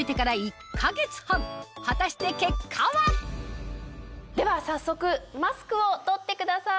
そしてでは早速マスクを取ってください。